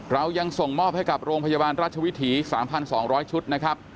เรายังส่งมอบให้กับโรงพยาบาลราชวิถี๓๒๐๐ชุดนะครับ